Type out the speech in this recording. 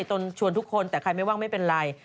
ตนชวนทุกคนแต่ใครไม่ว่างไม่เป็นไร